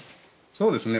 そうですね。